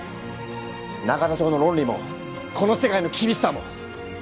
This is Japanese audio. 永田町の論理もこの世界の厳しさも。